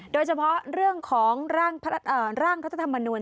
โดยเฉพาะเรื่องของร่างรัฐธรรมนูล